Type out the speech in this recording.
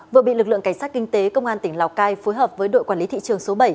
vừa bị lực lượng cảnh sát kinh tế công an tỉnh lào cai phối hợp với đội quản lý thị trường số bảy